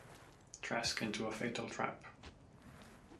Trask into a fatal trap.